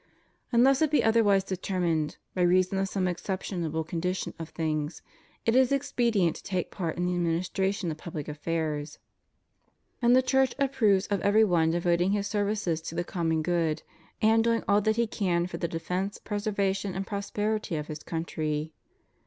Unless it be otherwise determined, by reason of some exceptional condition of things, it is expedient to take part in the administration of public affairs. And the Church approves of every one devoting his services to the conmion good, and doing all that he can for the defence, preservation, and prosperity of his country.